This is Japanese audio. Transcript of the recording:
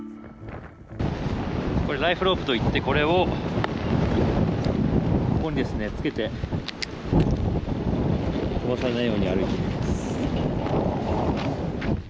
ライフロープといってこれをここにつけて飛ばされないように歩いていきます。